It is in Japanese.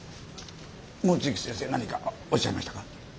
望月先生何かおっしゃいましたか？